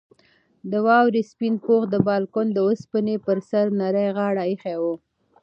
د واورې سپین پوښ د بالکن د اوسپنې پر سر نرۍ غاړه ایښې وه.